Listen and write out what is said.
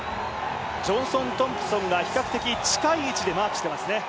ジョンソン・トンプソンが比較的近い位置でマークしていますね。